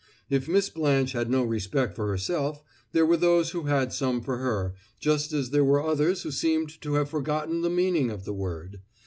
If Miss Blanche had no respect for herself, there were those who had some for her, just as there were others who seemed to have forgotten the meaning of the word.